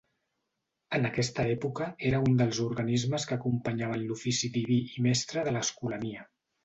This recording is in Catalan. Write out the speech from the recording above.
En aquesta època era un dels organistes que acompanyaven l'ofici diví i mestre de l'Escolania.